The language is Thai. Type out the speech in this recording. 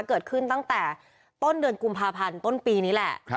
เกิดขึ้นตั้งแต่ต้นเดือนกุมภาพันธ์ต้นปีนี้แหละ